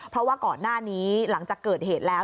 เพราะว่าก่อนหน้านี้หลังจากเกิดเหตุแล้ว